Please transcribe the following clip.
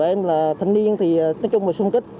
em là thanh niên thì nói chung là sung kích